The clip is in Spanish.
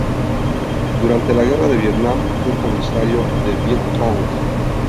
Durante la Guerra de Vietnam, fue Comisario del Vietcong.